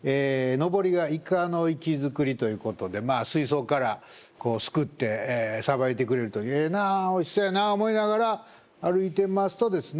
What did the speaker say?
のぼりが「いかの活造り」ということでまあ水槽からすくってさばいてくれるとええなおいしそうやな思いながら歩いてますとですね